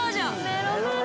メロメロ